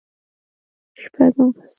شپږم فصل